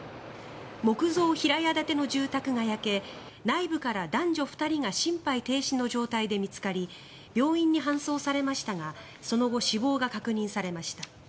木造平屋建ての住宅が焼け内部から男女２人が心肺停止の状態で見つかり病院に搬送されましたがその後、死亡が確認されました。